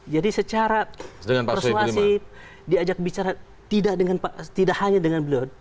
jadi secara persuasi diajak bicara tidak hanya dengan beliau